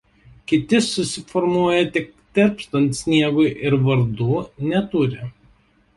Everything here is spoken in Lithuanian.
Kiti susiformuoja tik tirpstant sniegui ir vardų neturi.